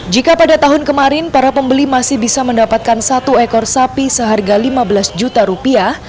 jika pada tahun kemarin para pembeli masih bisa mendapatkan satu ekor sapi seharga lima belas juta rupiah